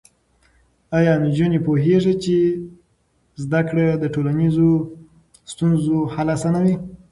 ایا نجونې پوهېږي چې زده کړه د ټولنیزو ستونزو حل اسانوي؟